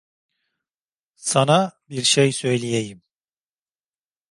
Sana bir şey söyleyeyim.